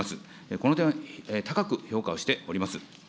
この点を高く評価をしております。